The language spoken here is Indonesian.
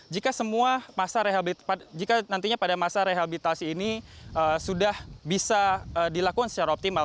jika semua masa rehabilitasi ini sudah bisa dilakukan secara optimal